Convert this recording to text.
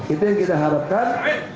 itu yang kita harapkan